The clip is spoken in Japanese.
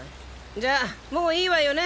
じゃあもういいわよね